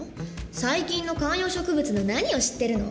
最近の観葉植物の何を知ってるの？